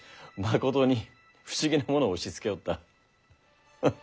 まことに不思議な者を押しつけおった。